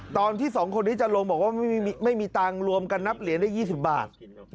ตอนที่๒คนนี้จะลงบอกว่าไม่มีตังค์รวมกันนับเหรียญได้๒๐บาท